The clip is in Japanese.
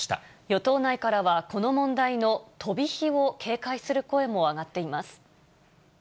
与党内からは、この問題の飛び火を警戒する声も上がっています。